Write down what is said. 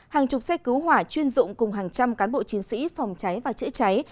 hàng chục xe cứu hỏa chuyên dụng cùng hàng trăm cán bộ chiến sĩ phòng cháy và chữa cháy